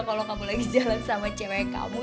kalau kamu lagi sejalan sama cewek kamu